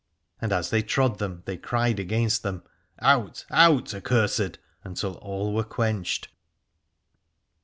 And as they trod them they cried against them : Out, out, accursed ; until all were quenched.